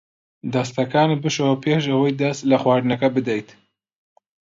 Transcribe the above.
دەستەکانت بشۆ پێش ئەوەی دەست لە خواردنەکە بدەیت.